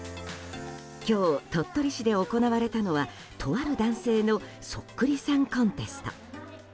今日、鳥取市で行われたのはとある男性のそっくりさんコンテスト。